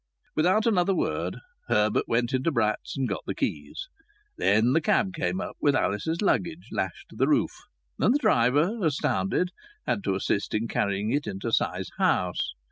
Without another word Herbert went into Bratt's and got the keys. Then the cab came up with Alice's luggage lashed to the roof, and the driver, astounded, had to assist in carrying it into Si's house.